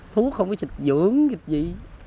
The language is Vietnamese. thuốc không có xịt dưỡng xịt gì